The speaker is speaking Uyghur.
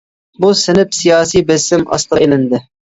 بۇ سىنىپ سىياسىي بېسىم ئاستىغا ئېلىندى.